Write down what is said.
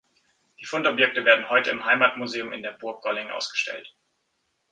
Die Fundobjekte werden heute im Heimatmuseum in der Burg Golling ausgestellt.